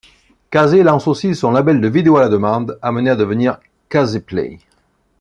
Kazé lance aussi son label de vidéo à la demande, amené à devenir kzplay.